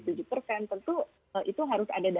tentu itu harus ada